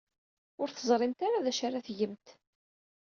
Ur teẓrimt ara d acu ara tgemt.